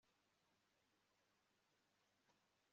na we babashyira hanze yaho